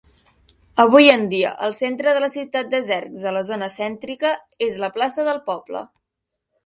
Avui en dia, el centre de la ciutat de Czersk a la zona céntrica és la plaça del poble.